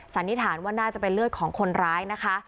สันนิษฐานว่าน่าจะเป็นเลือดของคนร้ายนะคะ